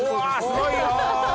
すごいよ！